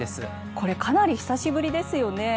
これかなり久しぶりですよね。